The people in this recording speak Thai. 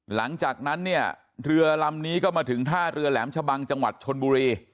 หลังจากนั้นเนี่ยเรือลำนี้ก็มาถึงท่าเรือแหลมชะบังจังหวัดชนบุรี